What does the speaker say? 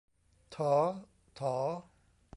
ฐอ ถอ